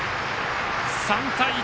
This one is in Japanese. ３対１。